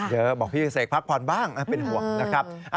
บอกพี่เสกพักผ่อนบ้างนะเป็นห่วงนะครับ